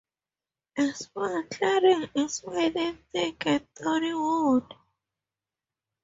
A small clearing is made in a thick and thorny wood.